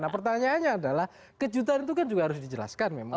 nah pertanyaannya adalah kejutan itu kan juga harus dijelaskan memang